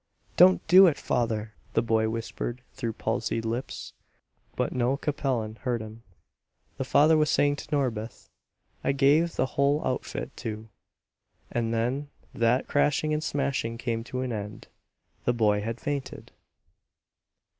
"Don't do it father!" the boy whispered through palsied lips. But no Capellan heard him. The father was saying to Norbith, "I gave the whole outfit to " And then that crashing and smashing came to an end. The boy had fainted.